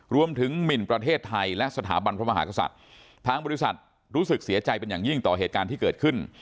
หมินประเทศไทยและสถาบันพระมหากษัตริย์ทางบริษัทรู้สึกเสียใจเป็นอย่างยิ่งต่อเหตุการณ์ที่เกิดขึ้น